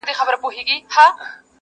پاچا او ګدا!!